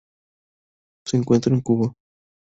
Se encuentran en Cuba.